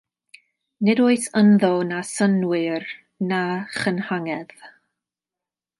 Nid oes ynddo na synnwyr na chynghanedd.